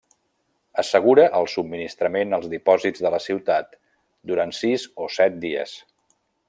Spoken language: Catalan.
Assegura el subministrament als dipòsits de la ciutat durant sis o set dies.